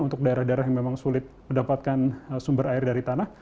untuk daerah daerah yang memang sulit mendapatkan sumber air dari tanah